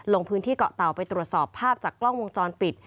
ลงพื้นที่เกาะเตาไปตรวจสอบภาพจากกล้องวงจรปิด